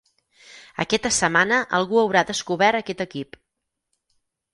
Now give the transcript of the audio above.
Aquesta setmana algú haurà descobert aquest equip.